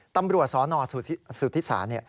ตำรวจสนสุธิศาล